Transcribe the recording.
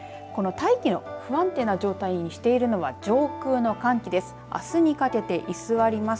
大気の不安定な状態にしているのは上空の寒気です。